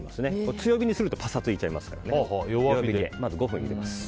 強火にするとパサついちゃいますから弱火でまず５分ゆでます。